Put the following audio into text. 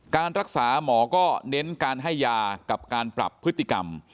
การรักษาหมอก็เน้นการให้ยากับการปรับพฤติกรรม